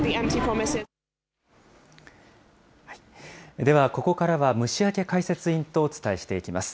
ではここからは虫明解説委員とお伝えしていきます。